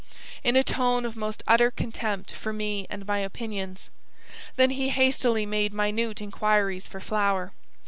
in a tone of most utter contempt for me and my opinions. Then he hastily made minute inquiries for Flower.